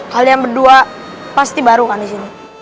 kalian berdua pasti baru kan di sini